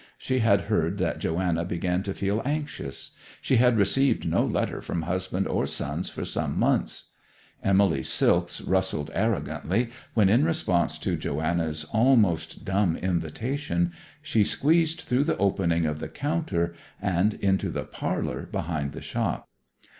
She had heard that Joanna began to feel anxious; she had received no letter from husband or sons for some months. Emily's silks rustled arrogantly when, in response to Joanna's almost dumb invitation, she squeezed through the opening of the counter and into the parlour behind the shop.